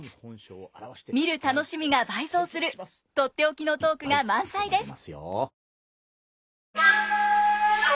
見る楽しみが倍増する取って置きのトークが満載です！